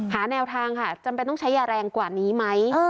หาแนวทางค่ะจำเป็นต้องใช้ยาแรงกว่านี้ไหม